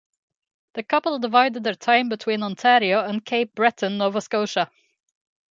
The couple divided their time between Ontario, and Cape Breton, Nova Scotia.